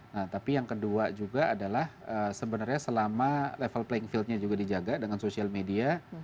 nah tapi yang kedua juga adalah sebenarnya selama level playing fieldnya juga dijaga dengan social media